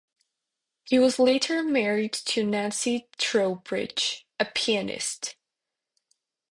He was later married to Nancy Trowbridge, a pianist.